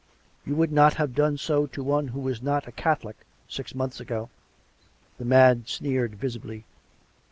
'' You would not have done so to one who was not a Catholic, six months ago." The man sneered visibly.